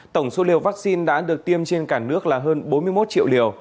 tổng số liều vaccine đã được tiêm trên cả nước là hơn bốn mươi một triệu liều